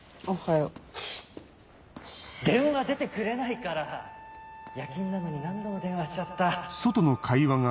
・電話出てくれないから夜勤なのに何度も電話しちゃったごめんね・・